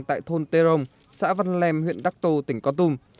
tại thôn tê rồng xã văn lèm huyện đắc tô tỉnh con tum